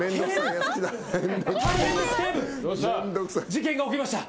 事件が起きました。